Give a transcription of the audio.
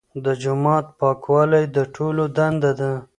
د جومات پاکوالی د ټولو دنده ده.